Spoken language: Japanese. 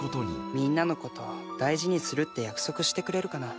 「みんなのこと大事にするって約束してくれるかな」